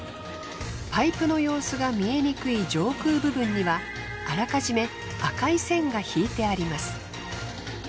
パイプの様子が見えにくい上空部分にはあらかじめ赤い線が引いてあります。